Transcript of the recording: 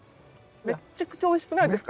めっちゃくちゃおいしくないですか？